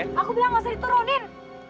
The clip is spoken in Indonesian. aku bilang gak usah diturunin